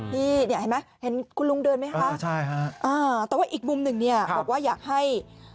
แต่ว่าอีกมุมหนึ่งบอกว่าอยากให้